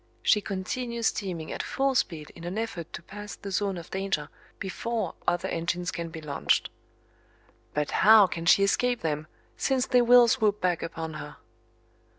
She continues steaming at full speed in an effort to pass the zone of danger before other engines can be launched. But how can she escape them since they will swoop back upon her?